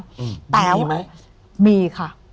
มีไหมมีค่ะ